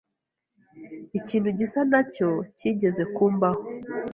Ikintu gisa nacyo cyigeze kumbaho.